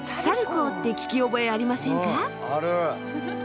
サルコーって聞き覚えありませんか？